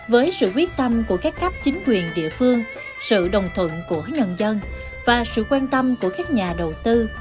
với sự quyết tâm của các cấp chính quyền địa phương sự đồng thuận của nhân dân và sự quan tâm của các nhà đầu tư